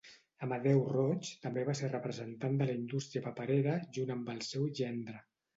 Amadeu Roig també va ser representant de la indústria paperera junt amb el seu gendre.